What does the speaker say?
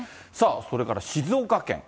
それから静岡県。